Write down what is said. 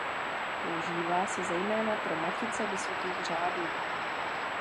Používá se zejména pro matice vysokých řádů.